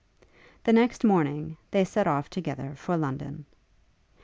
The next morning they set off together for London.